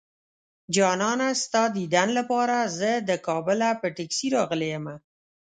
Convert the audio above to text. جانانه ستا ديدن لپاره زه د کابله په ټکسي راغلی يمه